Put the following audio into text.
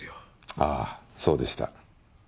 あぁそうでした。